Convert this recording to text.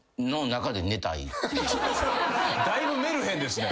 だいぶメルヘンですね。